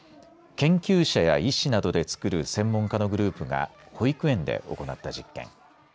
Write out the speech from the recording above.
研究者や医師などでつくる専門家のグループが保育園で行った実験。